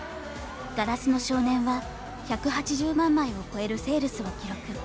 「硝子の少年」は１８０万枚を超えるセールスを記録。